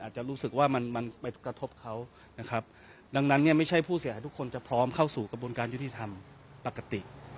อาจจะรู้สึกว่ามันไปกระทบเขาดังนั้นไม่ใช่ผู้เสียหายทุกคนจะพร้อมเข้าสู่กระบวนการยุทธิธรรมปกติ